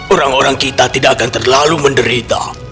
orang orang kita tidak akan terlalu menderita